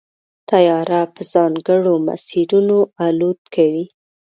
طیاره په ځانګړو مسیرونو الوت کوي.